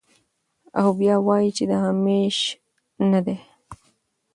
او بيا وائې چې د همېشه نۀ دے